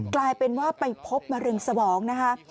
กลายเป็นว่าไปพบมะเร็งสมองนะคะ